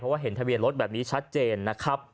ว่าเห็นทะเบียนรถแบบนี้ชัดเจนนะครับ